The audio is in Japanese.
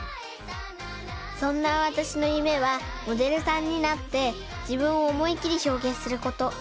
そんなわたしのゆめはモデルさんになってじぶんをおもいっきりひょうげんすること。